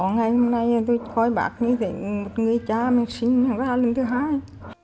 ngày hôm nay tôi khỏi bác như vậy một người cha mình sinh ra lần thứ hai